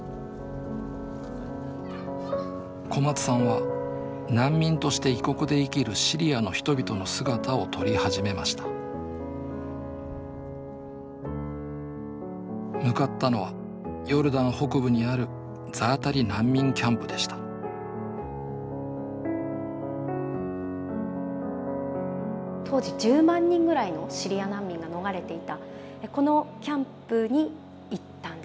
小松さんは難民として異国で生きるシリアの人々の姿を撮り始めました向かったのは当時１０万人ぐらいのシリア難民が逃れていたこのキャンプに行ったんですね。